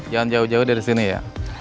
jangan jauh jauh dari sini ya